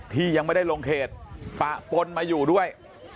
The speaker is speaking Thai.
ที่ยังไม่ได้ลงเขตปะปนมาอยู่ด้วย